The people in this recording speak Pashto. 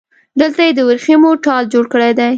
دلته يې له وريښمو ټال جوړ کړی دی